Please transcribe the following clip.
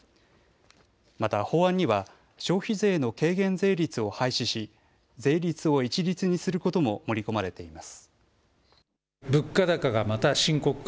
また法案には消費税の軽減税率を廃止し税率を一律にすることも盛り込まれています。